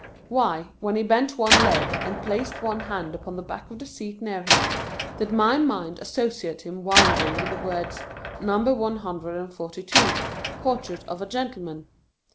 Why, when he bent one leg,°and placed one hand upon the back of the seat near him, did my mind associate him wildly with the words, " Number one hundred and forty two, Portrait of a gentleman